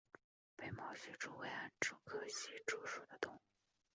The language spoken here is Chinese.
被毛隙蛛为暗蛛科隙蛛属的动物。